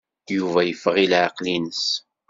Yuba yeffeɣ i leɛqel-nnes.